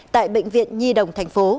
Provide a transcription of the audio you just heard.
tại bệnh viện nhi đồng tp